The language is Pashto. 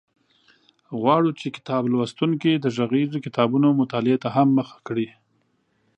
غواړو چې کتاب لوستونکي د غږیزو کتابونو مطالعې ته هم مخه کړي.